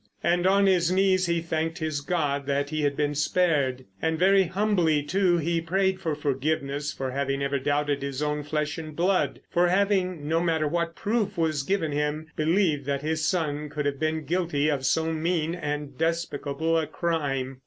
And on his knees he thanked his God that he had been spared. And very humbly, too, he prayed for forgiveness for having ever doubted his own flesh and blood, for having, no matter what proof was given him, believed that his son could have been guilty of so mean and despicable a crime.